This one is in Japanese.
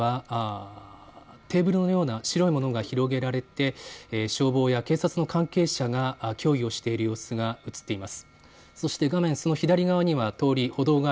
画面の中央では、テーブルのような白いものが広げられて消防や警察の関係者が協議をしている様子が映っています。